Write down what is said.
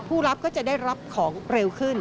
ผู้รับก็จะได้รับของเร็วขึ้น